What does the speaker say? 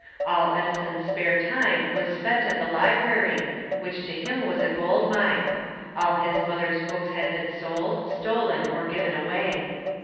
All Edison's spare time was spent at the library, which to him was a gold mine. All his mother's books had been sold, stolen or given away.